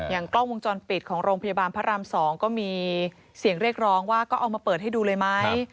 กล้องวงจรปิดของโรงพยาบาลพระราม๒ก็มีเสียงเรียกร้องว่าก็เอามาเปิดให้ดูเลยไหม